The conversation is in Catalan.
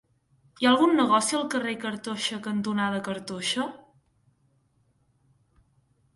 Hi ha algun negoci al carrer Cartoixa cantonada Cartoixa?